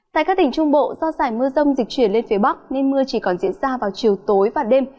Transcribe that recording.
tại các tỉnh trung bộ do giải mưa rông dịch chuyển lên phía bắc nên mưa chỉ còn diễn ra vào chiều tối và đêm